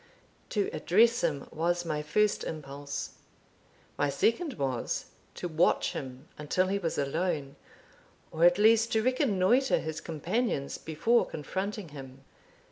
To address him was my first impulse; my second was, to watch him until he was alone, or at least to reconnoitre his companions before confronting him.